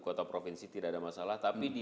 kota provinsi tidak ada masalah tapi di